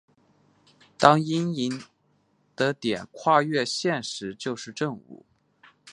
当阴影的点跨越线时就是正午。